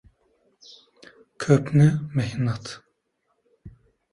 Ko'pni — mehnat.